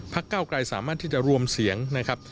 เก้าไกรสามารถที่จะรวมเสียงนะครับ